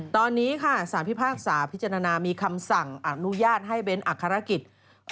ตอนนี้ค่ะสารพิพากษาพิจารณามีคำสั่งอนุญาตให้เบ้นอักษรกิจ